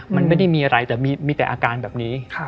มันไม่ได้มีอะไรแต่มีแต่อาการแบบนี้